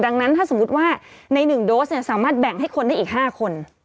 ดังนั้นถ้าสมมุติว่าใน๑โดสเนี่ยสามารถแบ่งให้คนได้อีก๕คน